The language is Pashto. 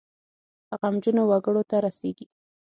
غمجنو وګړو ته رسیږي.